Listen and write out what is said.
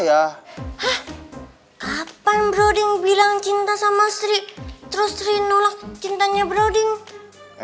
kapan brody bilang cinta sama sri terus sri nolak cintanya brody